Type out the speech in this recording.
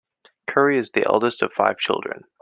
Curry is the eldest of five children.